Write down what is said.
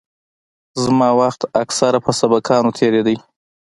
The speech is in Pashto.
زما وخت اکثره په سبقانو تېرېده.